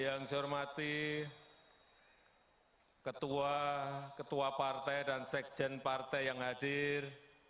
yang saya hormati ketua ketua partai dan sekjen partai yang hadir